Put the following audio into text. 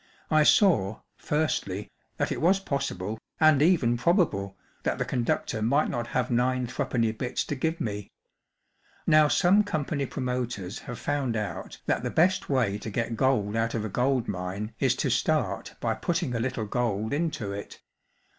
I saw, firstly, that it was possible and even probable that the conductor might not have nine threepenny bits to give me. Now some company promoters have found out that the best way to get gold out of a gold mine is to start by putting a little gold into it.